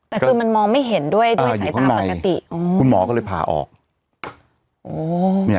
แต่คือมันมองไม่เห็นด้วยด้วยสายตาปกติ